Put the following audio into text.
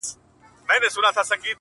اوس مي هم ښه په ياد دي زوړ نه يمه،